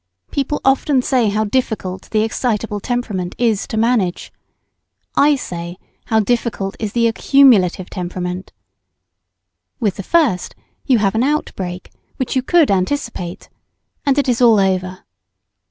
People often say how difficult the excitable temperament is to manage. I say how difficult is the accumulative temperament. With the first you have an out break which you could anticipate, and it is all over.